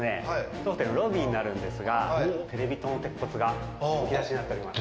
当店のロビーになるんですがテレビ塔の鉄骨がむき出しになっております。